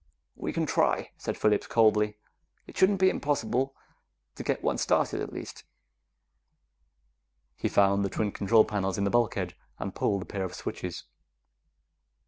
"We can try," said Phillips coldly. "It shouldn't be impossible to get one started, at least." He found the twin control panels in the bulkhead, and pulled a pair of switches.